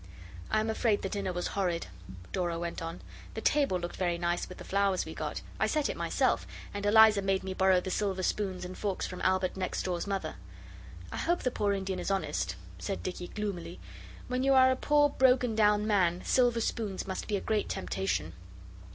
'I am afraid the dinner was horrid.' Dora went on. 'The table looked very nice with the flowers we got. I set it myself, and Eliza made me borrow the silver spoons and forks from Albert next door's Mother.' 'I hope the poor Indian is honest,' said Dicky gloomily, 'when you are a poor, broken down man silver spoons must be a great temptation.